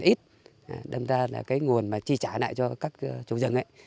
nói chung là cái nguồn mà chi trả lại cho các chủ rừng ấy